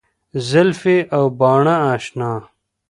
زلفي او باڼه اشنـا